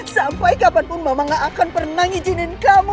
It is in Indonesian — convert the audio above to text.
sampai kapanpun mama nggak akan pernah ngijinkan kamu